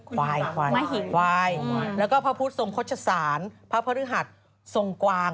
ควายควายแล้วก็พระพุทธทรงคชสารพระพฤหัสทรงกวาง